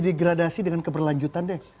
terlalu didegradasi dengan keberlanjutan deh